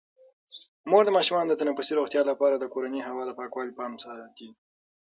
مور د ماشومانو د تنفسي روغتیا لپاره د کورني هوا د پاکوالي پام ساتي.